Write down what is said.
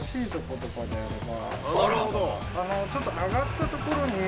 あのちょっと上がったところに。